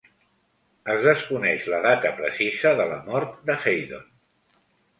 Es desconeix la data precisa de la mort de Heydon.